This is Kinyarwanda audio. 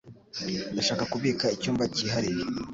Ndashaka kubika icyumba cyihariye.